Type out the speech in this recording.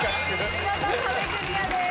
見事壁クリアです。